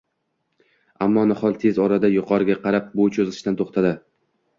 Ammo nihol tez orada yuqoriga qarab bo‘y cho‘zishdan to'xtadi